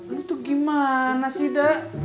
lo tuh gimana sih